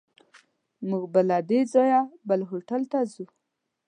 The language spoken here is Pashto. موږ به له دې ځایه بل هوټل ته ځو.